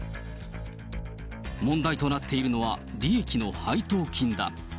問題となっているのは、利益の配当金だ。